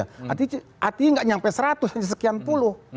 artinya nggak sampai seratus hanya sekian puluh